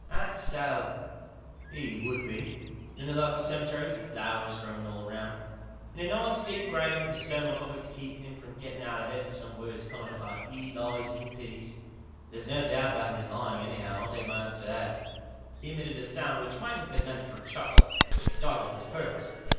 " That so ? He would be. In the local cemetery, with the flowers growing all around. In a nice deep grave with a stone on top to keep him from getting out of it, and some words cut on it, like ' He lies in peace.' There's no doubt about his lying, anyhow, I'll take my oath to that" He emitted a sound which might have been meant for a chuckle. It startled Miss Purvis.